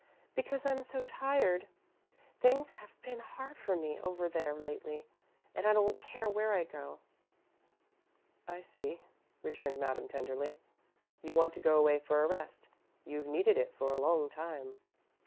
"Because I'm so tired. Things have been hard for me over there, lately and I don't care where I go." "I see," returned Madame, tenderly. "You want to go away for a rest. You've needed it for a long time."